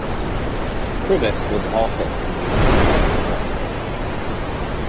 Privet was also a convenient and fast-growing hedge.